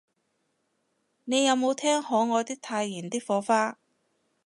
你有無聽可愛的太妍的火花